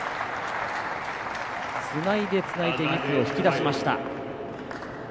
つないでつないでミスを引き出しました。